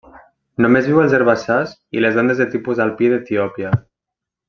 Només viu als herbassars i les landes de tipus alpí d'Etiòpia.